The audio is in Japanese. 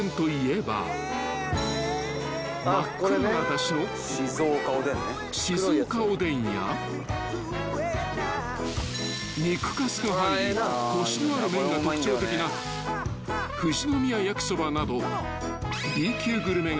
［真っ黒なだしの静岡おでんや肉かすが入りコシのある麺が特徴的な富士宮やきそばなど］